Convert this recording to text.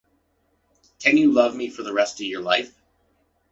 Can you love me for the rest of your life?